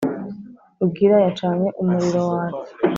rugira yacanye umuriro watse